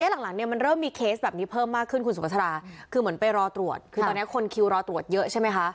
หลังเนี่ยมันเริ่มมีเคสแบบนี้เพิ่มมากขึ้นคุณสุภาษาคือเหมือนไปรอตรวจคือตอนนี้คนคิวรอตรวจเยอะใช่ไหมคะ